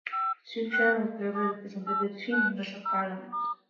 Stirlingshire was thereafter represented by three members of parliament.